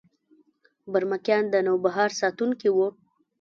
برمکیان د نوبهار ساتونکي وو